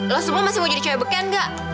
lo semua masih mau jadi cewek beken gak